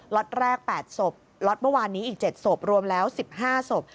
็อตแรก๘ศพล็อตเมื่อวานนี้อีก๗ศพรวมแล้ว๑๕ศพ